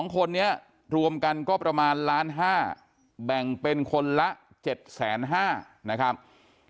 ๒คนนี้รวมกันก็ประมาณล้าน๕แบ่งเป็นคนละ๗๕๐๐นะครับ